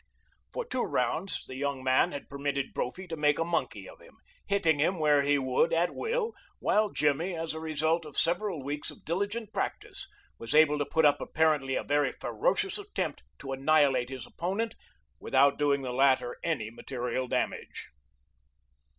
For two rounds the young man had permitted Brophy to make a monkey of him, hitting him where he would at will, while Jimmy, as a result of several weeks of diligent practice, was able to put up apparently a very ferocious attempt to annihilate his opponent without doing the latter any material damage.